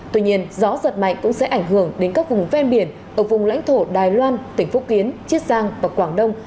tuy nhiên gió giật mạnh cũng sẽ ảnh hưởng đến các vùng ven biển ở vùng lãnh thổ đài loan tỉnh phúc kiến chiết giang và quảng đông